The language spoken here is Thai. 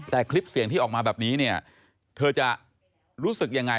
แต่คลิปเสียงที่ออกมาแบบนี้เธอจะรู้สึกอย่างไร